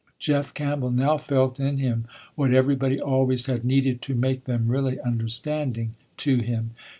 Jeff Campbell now felt in him what everybody always had needed to make them really understanding, to him.